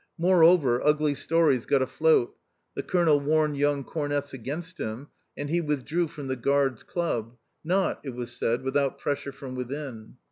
Moreover, ugly stories got afloat ; the colonel warned young cornets against him, and he withdrew from the Guards' club, not, it was said, with out pressure from within.